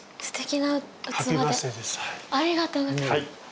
ありがとうございます